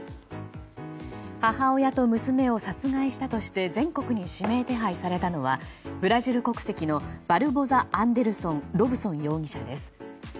母親と娘を殺害したとして全国に指名手配されたのはブラジル国籍のバルボサ・アンデルソン・ロブソン容疑者です。